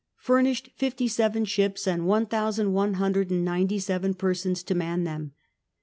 Ill furnished fifty seven ships, and one thousand one hun dred and ninety seven persons to man them.